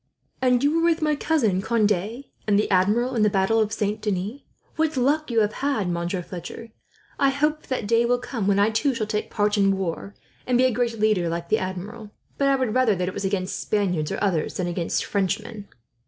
"And you were with my cousin Conde, and the Admiral, in the battle of Saint Denis. What luck you have had, Monsieur Fletcher. I hope the day will come when I, too, shall take a part in war, and be a great leader like the Admiral; but I would rather that it was against Spaniards, or others, than against Frenchmen."